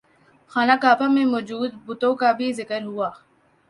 خانہ کعبہ میں موجود بتوں کا بھی ذکر ہوا